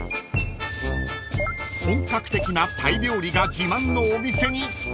［本格的なタイ料理が自慢のお店に到着です］